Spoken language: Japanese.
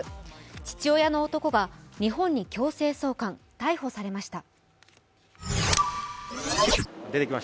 父親の男が日本に強制送還逮捕されました。